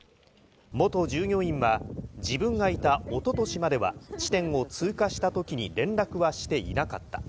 元従業員は、自分がいたおととしまでは、地点を通過したときに連絡はしていなかった。